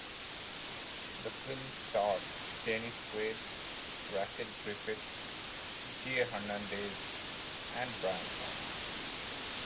The film stars Dennis Quaid, Rachel Griffiths, Jay Hernandez, and Brian Cox.